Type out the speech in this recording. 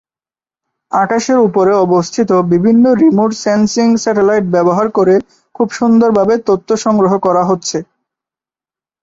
আকাশের উপরে অবস্থিত বিভিন্ন রিমোট সেন্সিং স্যাটেলাইট ব্যবহার করে খুব সুন্দরভাবে তথ্য সংগ্রহ করা হচ্ছে।